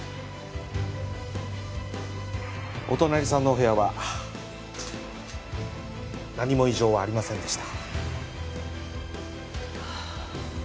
お隣さんのお部屋は何も異常はありませんでした。